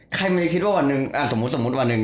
ใครไม่ได้คิดว่าวันหนึ่งสมมุติวันหนึ่ง